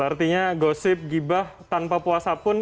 artinya gosip gibah tanpa puasa pun